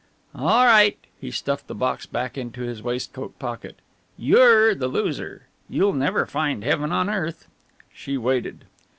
"All right" he stuffed the box back into his waistcoat pocket "you're the loser, you'll never find heaven on earth!" She waited.